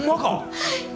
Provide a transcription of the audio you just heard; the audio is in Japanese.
はい！